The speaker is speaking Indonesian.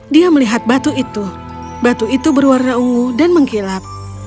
dia melihat batu itu batu itu berwarna ungu dan mengkilap